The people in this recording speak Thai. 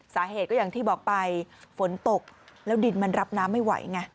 สาเหตุก็อย่างที่บอกไปฝนตกแล้วดินมันรับน้ำไม่ไหวไง